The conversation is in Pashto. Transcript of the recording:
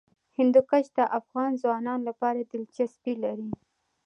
هندوکش د افغان ځوانانو لپاره دلچسپي لري.